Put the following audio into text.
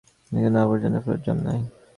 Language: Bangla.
এটা কোনো আবর্জনা ফেলার ড্রাম নয়!